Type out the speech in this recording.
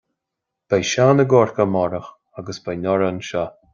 beidh Seán i gCorcaigh amárach, agus beidh Nóra anseo